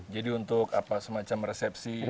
jadi untuk apa semacam resepsi festa gitu ya